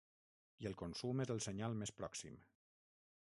I el consum és el senyal més pròxim.